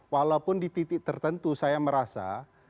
walaupun di titik tertentu saya merasa